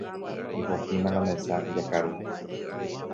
Ipotĩma la mesa, jakaru.